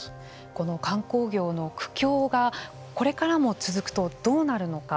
この観光業の苦境がこれからも続くとどうなるのか。